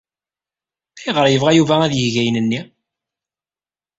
Ayɣer yebɣa Yuba ad yeg ayen-nni?